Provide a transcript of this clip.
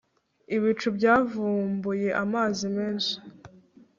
ibicu byavubuye amazi menshi